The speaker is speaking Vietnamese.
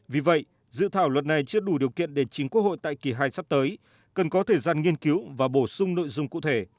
vì vậy dự thảo luật này chưa đủ điều kiện để chính quốc hội tại kỳ hai sắp tới cần có thời gian nghiên cứu và bổ sung nội dung cụ thể